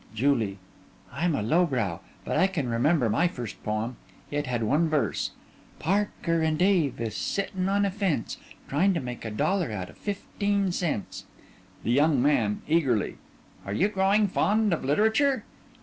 JULIE: I'm a low brow. But I can remember my first poem. It had one verse: Parker and Davis Sittin' on a fence Tryne to make a dollar Outa fif teen cents. THE YOUNG MAN: (Eagerly) Are you growing fond of literature?